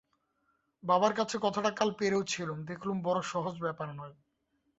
বাবার কাছে কথাটা কাল পেড়েওছিলুম, দেখলুম বড়ো সহজ ব্যাপার নয়।